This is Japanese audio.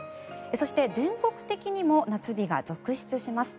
そして、全国的にも夏日が続出します。